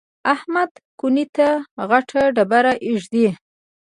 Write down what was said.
احمد کونې ته غټه ډبره ږدي.